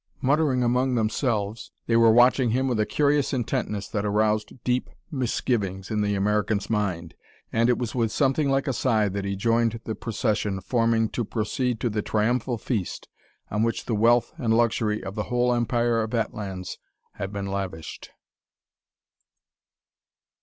Muttering among themselves, they were watching him with a curious intentness that aroused deep misgivings in the American's mind, and it was with something like a sigh that he joined the procession forming to proceed to the triumphal feast on which the wealth and luxury of the whole empire of Atlans had been lavished.